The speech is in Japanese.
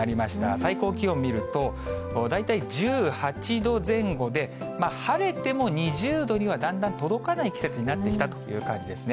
最高気温見ると、大体１８度前後で、晴れても２０度にはだんだん届かない季節になってきたという感じですね。